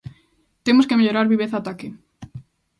Temos que mellorar viveza ataque.